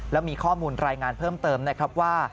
และมีข้อมูลรายงานเพิ่มเติมนะครับว่า